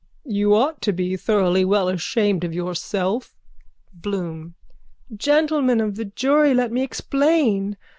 _ You ought to be thoroughly well ashamed of yourself. BLOOM: Gentlemen of the jury, let me explain.